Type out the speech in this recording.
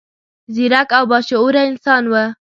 ځیرک او با شعوره انسان و.